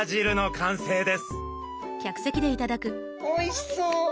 おいしそう！